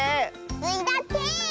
スイだって！